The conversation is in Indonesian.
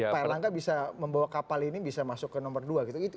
pak erlangga bisa membawa kapal ini bisa masuk ke nomor dua gitu